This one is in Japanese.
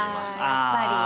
あやっぱり！